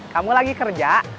kamu lagi kerja